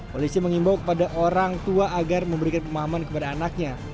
polisi mengimbau kepada orang tua agar memberikan pemahaman kepada anaknya